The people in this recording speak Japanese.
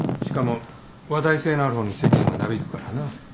しかも話題性のある方に世間はなびくからな。